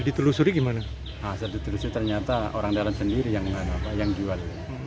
ditelusuri gimana hasil ditelusuri ternyata orang dalam sendiri yang jual